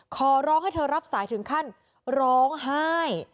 ขอร้องให้เธอรับสายถึงขั้นร้องไห้